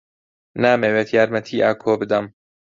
نامەوێت یارمەتیی ئاکۆ بدەم.